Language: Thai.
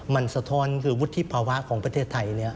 มันสะท้อนคือวุฒิภาวะของประเทศไทย